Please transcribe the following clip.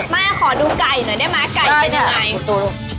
ไม่ขอดูไก่หน่อยได้มั้ยไก่เป็นไง